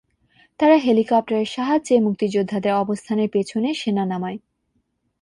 তারা হেলিকপ্টারের সাহায্যে মুক্তিযোদ্ধাদের অবস্থানের পেছনে সেনা নামায়।